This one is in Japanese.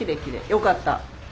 よかった。